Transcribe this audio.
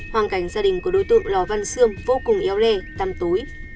hoàn cảnh gia đình của đối tượng lò văn sương vô cùng eo le tăm tối